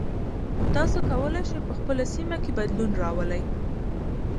تاسو کولی شئ په خپله سیمه کې بدلون راولئ.